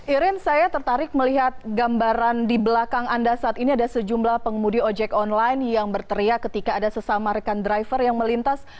irin saya tertarik melihat gambaran di belakang anda saat ini ada sejumlah pengemudi ojek online yang berteriak ketika ada sesama rekan driver yang melintas